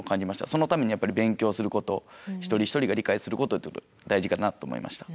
そのためにやっぱり勉強すること一人一人が理解することって大事かなと思いました。